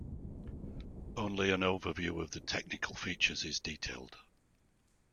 Only an overview of the technical features is detailed.